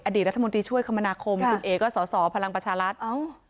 รัฐมนตรีช่วยคมนาคมคุณเอก็สอสอพลังประชารัฐ